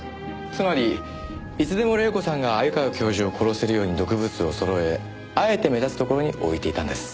つまりいつでも黎子さんが鮎川教授を殺せるように毒物を揃えあえて目立つところに置いていたんです。